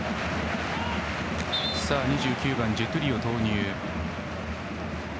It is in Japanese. ２９番、ジェトゥリオ投入。